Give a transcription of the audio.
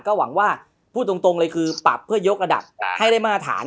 ก็หวังว่าพูดตรงเลยคือปรับเพื่อยกระดับให้ได้มาตรฐาน